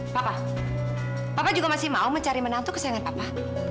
papa papa juga masih mau mencari menantu kesayangan papa